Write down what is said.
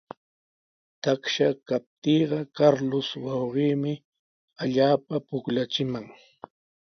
Taksha kaptiiqa Carlos wawqiimi allaapa pukllachimaq.